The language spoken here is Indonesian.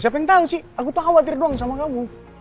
siapa yang tahu sih aku tuh khawatir doang sama kamu